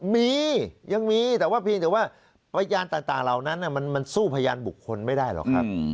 มียังมีแต่ว่าเพียงแต่ว่าพยานต่างเหล่านั้นมันสู้พยานบุคคลไม่ได้หรอกครับ